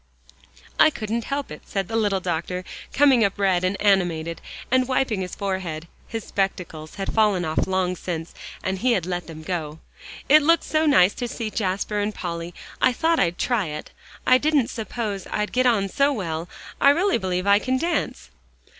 "I couldn't help it," said the little doctor, coming up red and animated, and wiping his forehead. His spectacles had fallen off long since, and he had let them go. "It looked so nice to see Jasper and Polly, I thought I'd try it. I didn't suppose I'd get on so well; I really believe I can dance."